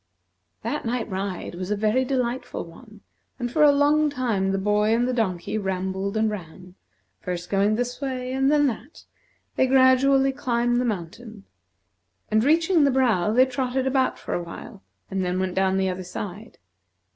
That night ride was a very delightful one, and for a long time the boy and the donkey rambled and ran; first going this way and then that, they gradually climbed the mountain; and, reaching the brow, they trotted about for a while, and then went down the other side.